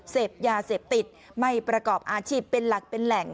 เสพยาเสพติดไม่ประกอบอาชีพเป็นหลักเป็นแหล่ง